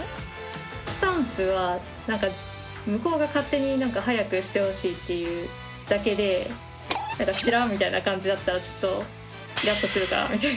スタンプはなんか向こうが勝手に早くしてほしいっていうだけでなんかチラッみたいな感じだったらちょっとイラッとするかなみたいな。